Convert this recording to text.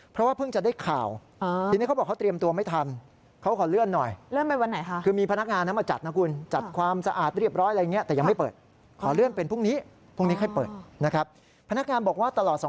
เพราะว่าเพิ่งจะได้ข่าว